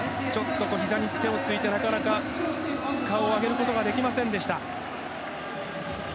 ひざに手をついてなかなか上げることができませんでした。